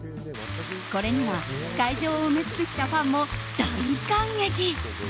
これには会場を埋め尽くしたファンも大感激。